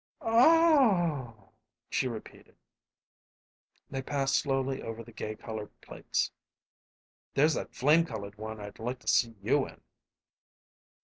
"Oh h h h h!" she repeated. They passed slowly over the gay colored plates. "There's that flame colored one I'd like to see you in."